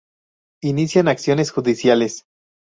Inician acciones judiciales.